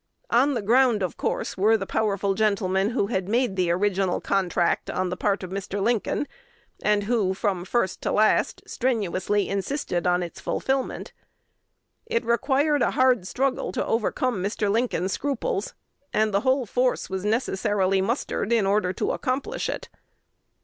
On the ground, of course, were the powerful gentlemen who had made the original contract on the part of Mr. Lincoln, and who, from first to last, strenuously insisted upon its fulfilment. It required a hard struggle to overcome Mr. Lincoln's scruples; and the whole force was necessarily mustered in order to accomplish it.